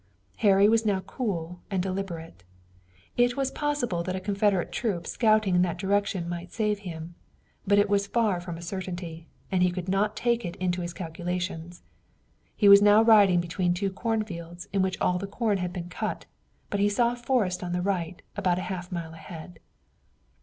Harry was now cool and deliberate. It was possible that a Confederate troop scouting in that direction might save him, but it was far from a certainty, and he could not take it into his calculations. He was now riding between two cornfields in which all the corn had been cut, but he saw forest on the right, about a half mile ahead.